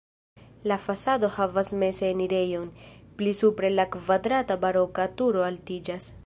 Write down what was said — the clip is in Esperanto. La fasado havas meze enirejon, pli supre la kvadrata baroka turo altiĝas.